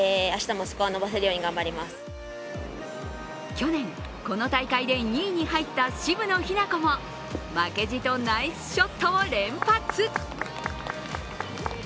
去年、この大会で２位に入った渋野日向子も負けじとナイスショットを連発。